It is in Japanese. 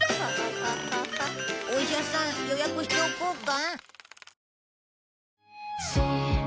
お医者さん予約しておこうか？